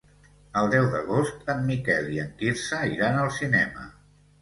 El deu d'agost en Miquel i en Quirze iran al cinema.